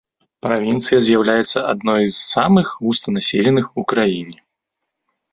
Правінцыя з'яўляецца адной з самых густанаселеных ў краіне.